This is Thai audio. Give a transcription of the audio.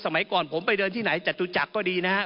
สมัยก่อนผมไปเดินที่ไหนจตุจักรก็ดีนะครับ